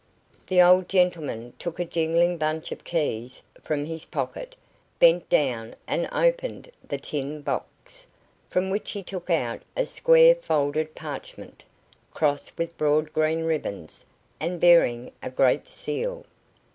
The old gentleman took a jingling bunch of keys from his pocket, bent down and opened the tin box, from which he took out a square folded parchment, crossed with broad green ribbons, and bearing a great seal.